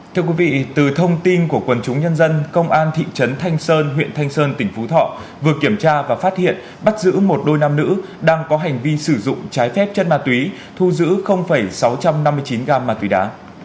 thưa quý vị từ thông tin của quần chúng nhân dân công an thị trấn thanh sơn huyện thanh sơn tỉnh phú thọ vừa kiểm tra và phát hiện bắt giữ một đôi nam nữ đang có hành vi sử dụng trái phép chất ma túy thu giữ sáu trăm năm mươi chín gam ma túy đá